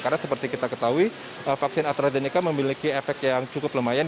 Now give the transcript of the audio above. karena seperti kita ketahui vaksin astrazeneca memiliki efek yang cukup lumayan